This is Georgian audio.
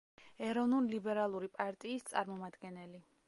ეროვნულ-ლიბერალური პარტიის წარმომადგენელი.